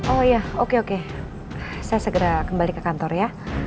oh iya oke oke saya segera kembali ke kantor ya